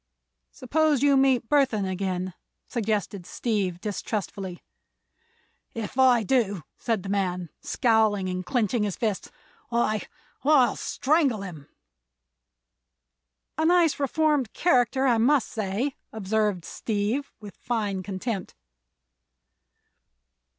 "Suppose you meet Burthon again?" suggested Steve, distrustfully. "If I do," said the man, scowling and clinching his fists, "I—I'll strangle him!" "A nice, reformed character, I must say," observed Steve, with fine contempt.